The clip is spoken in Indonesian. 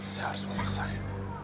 saya harus memaksanya